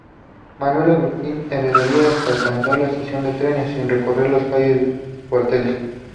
Manuel Agustín Heredia hasta alcanzar la estación de trenes, sin recorrer la calle Cuarteles.